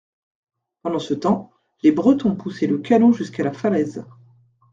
Pendant ce temps, les Bretons poussaient le canot jusqu'à la falaise.